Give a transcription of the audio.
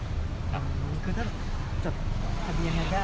ไม่ใช่นี่คือบ้านของคนที่เคยดื่มอยู่หรือเปล่า